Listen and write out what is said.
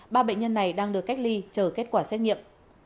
ba bệnh nhân này đang được cách ly chờ kết quả xét nghiệm